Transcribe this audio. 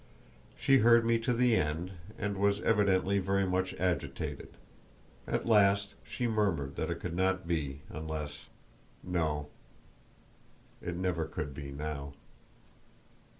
She heard me to the end, and was evidently very much agitated. At last she murmured that it could not be, unless—no, it never could be now.